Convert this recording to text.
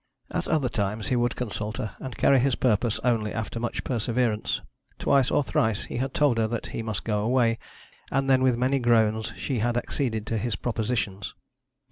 At other times he would consult her, and carry his purpose only after much perseverance. Twice or thrice he had told her that he must go away, and then with many groans she had acceded to his propositions.